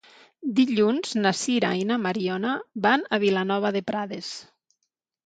Dilluns na Sira i na Mariona van a Vilanova de Prades.